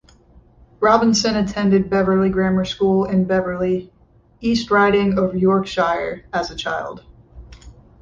Robinson attended Beverley Grammar School in Beverley, East Riding of Yorkshire, as a child.